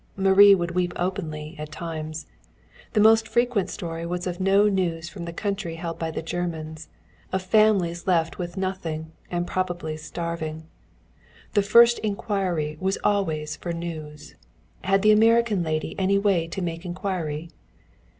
Marie would weep openly, at times. The most frequent story was of no news from the country held by the Germans, of families left with nothing and probably starving. The first inquiry was always for news. Had the American lady any way to make inquiry?